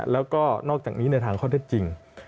แล้วก็นอกจากนี้ในทางข้อเท็จจริง